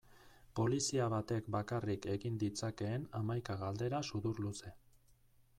Polizia batek bakarrik egin ditzakeen hamaika galdera sudurluze.